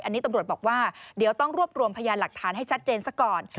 อันนี้ตำรวจบอกว่าเดี๋ยวต้องรวบรวมพยานหลักฐานให้ชัดเจนซะก่อน